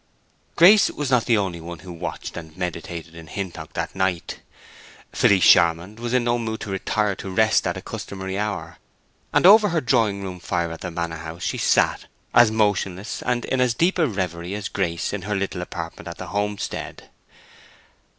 Grace was not the only one who watched and meditated in Hintock that night. Felice Charmond was in no mood to retire to rest at a customary hour; and over her drawing room fire at the Manor House she sat as motionless and in as deep a reverie as Grace in her little apartment at the homestead.